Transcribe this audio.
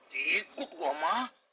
dikut gue ma